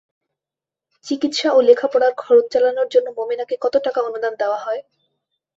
চিকিৎসা ও লেখাপড়ার খরচ চালানোর জন্য মোমেনাকে কত টাকা অনুদান দেওয়া হয়?